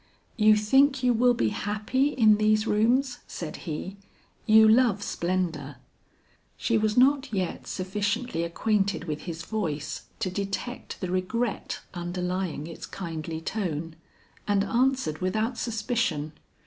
"You think you will be happy in these rooms," said he; "you love splendor." She was not yet sufficiently acquainted with his voice to detect the regret underlying its kindly tone, and answered without suspicion.